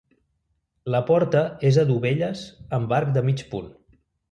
La porta és a dovelles amb arc de mig punt.